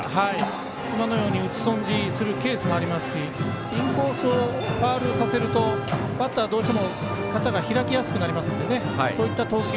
今のように打ち損じをするありますし、インコースをファウルさせるとバッターはどうしても肩が開きやすくなるのでそういった投球。